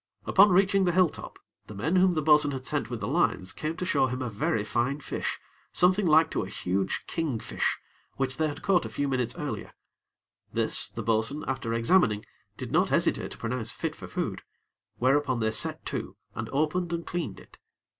Upon reaching the hilltop, the men whom the bo'sun had sent with the lines, came to show him a very fine fish, something like to a huge king fish, which they had caught a few minutes earlier. This, the bo'sun, after examining, did not hesitate to pronounce fit for food; whereupon they set to and opened and cleaned it.